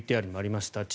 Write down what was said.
ＶＴＲにもありました。